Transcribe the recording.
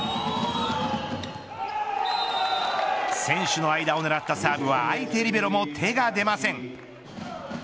選手の間を狙ったサーブは相手リベロも手が出ません。